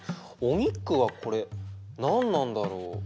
お肉はこれ何なんだろう？